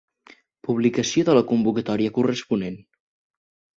Publicació de la convocatòria corresponent.